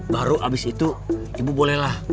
baru habis itu ibu bolehlah